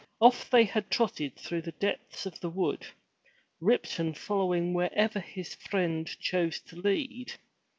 Off they trotted through the depths of the wood, Ripton following wherever his friend chose to lead.